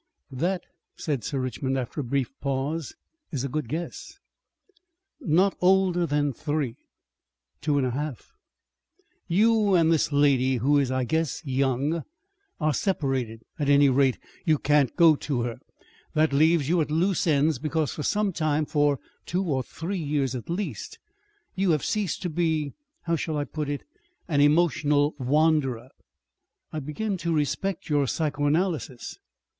"That," said Sir Richmond after a brief pause, "is a good guess." "Not older than three." "Two years and a half." "You and this lady who is, I guess, young, are separated. At any rate, you can't go to her. That leaves you at loose ends, because for some time, for two or three years at least, you have ceased to be how shall I put it? an emotional wanderer." "I begin to respect your psychoanalysis."